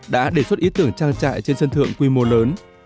đã đề xuất ý tưởng trang trại trên sân thượng quy mô lớn